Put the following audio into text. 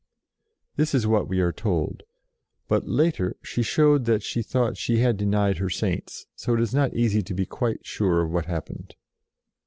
This is what we are told; but, later, she showed that she thought she had de nied her Saints, so it is not easy to be quite sure of what happened.